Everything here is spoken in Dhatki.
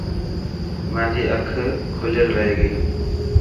مانجي اک لکيل رهي گئي.